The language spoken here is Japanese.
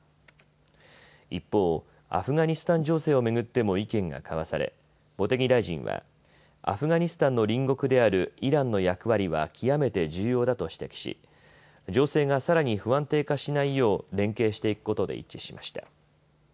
一方、アフガニスタン情勢を巡っても意見が交わされ茂木大臣はアフガニスタンの隣国であるイランの役割は極めて重要だと指摘し情勢がさらに不安定化しないよう連携していくことで一致しました。